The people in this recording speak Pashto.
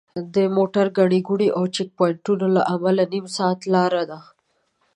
د موټرو ګڼې ګوڼې او چیک پواینټونو له امله نیم ساعت لاره ده.